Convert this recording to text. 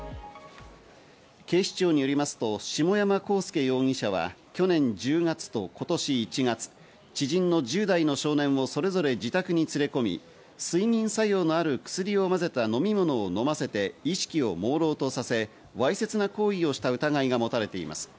警視庁によりますと、下山晃介容疑者は、去年１０月と今年１月、知人の１０代の少年をそれぞれ自宅に連れ込み睡眠作用のある薬をまぜた飲み物を飲ませて意識をもうろうとさせ、わいせつな行為をした疑いが持たれています。